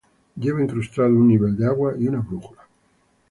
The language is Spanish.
Lleva incrustado un nivel de agua y una brújula.